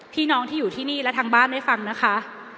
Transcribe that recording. พี่น้องที่อยู่ที่นี่และทางบ้านได้ฟังนะคะ